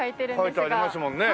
書いてありますもんね。